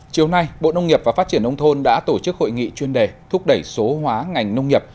chiều nay bộ nông nghiệp và phát triển nông thôn đã tổ chức hội nghị chuyên đề thúc đẩy số hóa ngành nông nghiệp